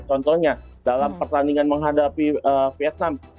contohnya dalam pertandingan menghadapi vietnam